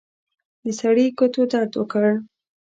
د سړي ګوتو درد وکړ.